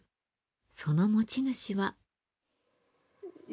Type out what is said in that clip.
その持ち主は。